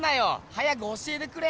早く教えてくれ！